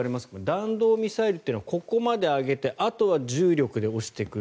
弾道ミサイルというのはここまで上げてあとは重力で落ちていく。